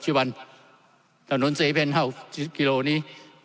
ชั่วประเทศมาตั้งแต่บี๓๔จนปัจจุบันแล้วนี้